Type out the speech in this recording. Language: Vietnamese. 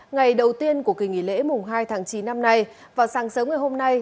ngày đầu tiên của kỳ nghỉ lễ mùng hai tháng chín năm nay vào sáng sớm ngày hôm nay